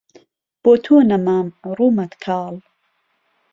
بۆ تۆ نهمام روومهت کاڵ